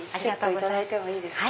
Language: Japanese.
いただいてもいいですか？